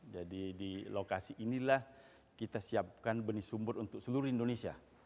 jadi di lokasi inilah kita siapkan benih sumbur untuk seluruh indonesia